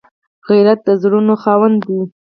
غیرت د زړونو خاوند دی